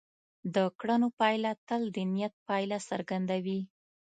د کړنو پایله تل د نیت پایله څرګندوي.